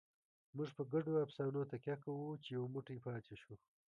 موږ په ګډو افسانو تکیه کوو، چې یو موټی پاتې شو.